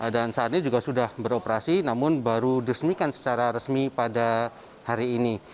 dan saat ini juga sudah beroperasi namun baru diresmikan secara resmi pada hari ini